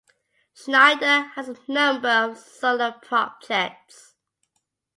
Schneider has a number of solo projects.